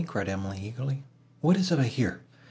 cried Emily eagerly: "what is it I hear?"